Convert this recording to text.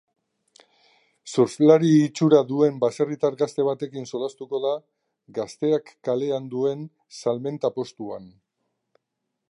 Surflari itxura duen baserritar gazte batekin solastuko da gazteak kalean duen salmenta postuan.